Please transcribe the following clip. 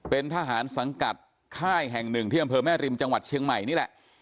เป็นทหารสังกัดค่ายแห่งหนึ่งที่อำเภอแม่ริมจังหวัดเชียงใหม่นี่แหละ